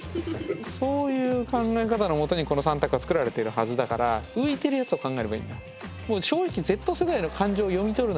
そういう考え方のもとにこの３択はつくられてるはずだから浮いてるやつを考えればいいんだ。